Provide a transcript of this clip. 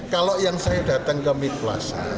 kalau yang saya datang ke mit plaza